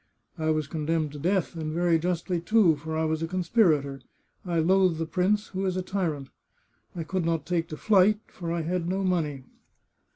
I was condemned to death, and very justly, too, for I was a conspirator ; I loathe the prince, who is a tyrant. I could not take to flight, for I had no money.